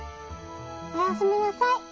おやすみなさい。